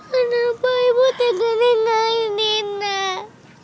kenapa ibu tegak nilaini nak